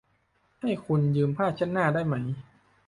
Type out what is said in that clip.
ให้คุณยืมผ้าเช็ดหน้าได้ไหม ?